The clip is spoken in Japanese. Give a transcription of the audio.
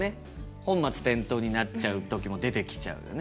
本末転倒になっちゃう時も出てきちゃうよね。